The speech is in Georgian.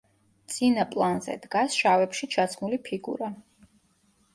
წინა პლანზე დგას შავებში ჩაცმული ფიგურა.